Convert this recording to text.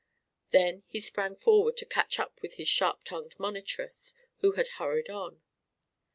Then he sprang forward to catch up with his sharp tongued monitress, who had hurried on.